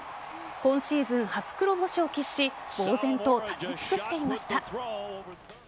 今シーズン初黒星を喫し呆然と立ち尽くしていました。